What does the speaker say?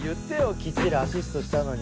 きっちりアシストしたのに。